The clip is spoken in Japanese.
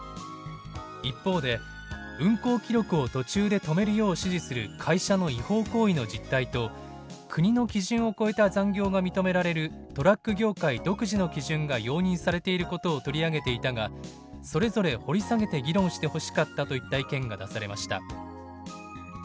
一方で「運行記録を途中で止めるよう指示する会社の違法行為の実態と国の基準を超えた残業が認められるトラック業界独自の基準が容認されていることを取り上げていたがそれぞれ掘り下げて議論してほしかった」といった意見が出されました。